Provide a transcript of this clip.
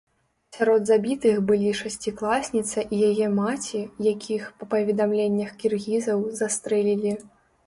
Сярод забітых былі шасцікласніца і яе маці, якіх, па паведамленнях кіргізаў, застрэлілі.